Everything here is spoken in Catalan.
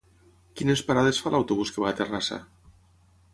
Quines parades fa l'autobús que va a Terrassa?